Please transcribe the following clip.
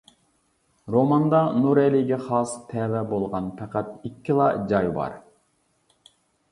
روماندا نۇرئەلىگە خاس تەۋە بولغان پەقەت ئىككىلا جاي بار.